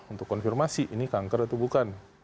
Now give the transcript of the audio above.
untuk konfirmasi ini kanker atau bukan